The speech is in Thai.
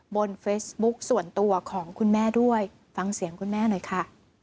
บนเฟซบุ๊คส่วนตัวของคุณแม่ด้วยฟังเสียงคุณแม่หน่อยค่ะ